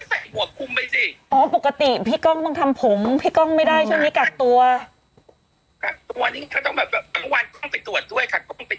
ถ้าต้องแบบตอนกลางพังไปตรวจด้วยค่ะก็ต้องไปตรวจด้วยค่ะอืม